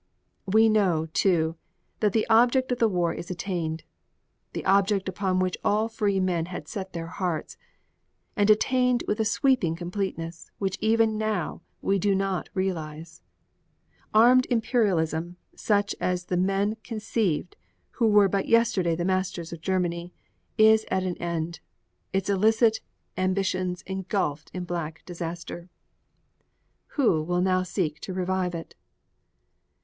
We know, too, that the object of the war is attained; the object upon which all free men had set their hearts; and attained with a sweeping completeness which even now we do not realize. Armed imperialism such as the men conceived who were but yesterday the masters of Germany is at an end, its illicit ambitions engulfed in black disaster. Who will now seek to revive it?